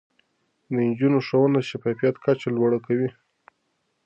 د نجونو ښوونه د شفافيت کچه لوړه کوي.